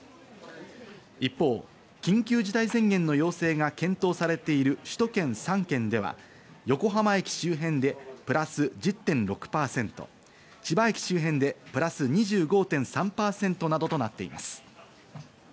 一方、緊急事態宣言の要請が検討されている首都圏３県では、横浜駅周辺でプラス１０．６％、千葉駅周辺でプラス２５．３％などとなっています。